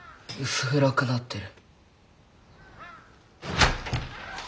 薄暗くなってる。